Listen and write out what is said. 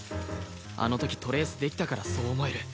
あの時トレースできたからそう思える。